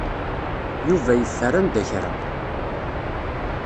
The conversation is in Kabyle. Yuba yeffer anda kra.